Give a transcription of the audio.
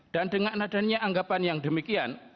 dan dengan adanya anggapan yang demikian